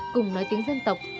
cùng nói tiếng dân tộc